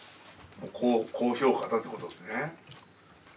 高評価だってことですね。